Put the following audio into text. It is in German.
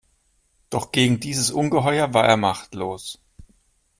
Doch gegen dieses Ungeheuer war er machtlos.